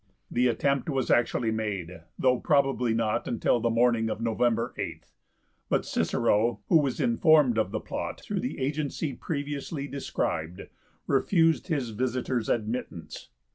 The attempt was actually made, though probably not until the morning of November 8. But Cicero, who was informed of the plot through the agency previously described, refused his visitors admittance.